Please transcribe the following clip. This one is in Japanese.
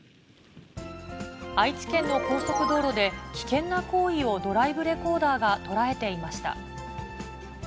愛知県の高速道路で、危険な行為をドライブレコーダーが捉えていました。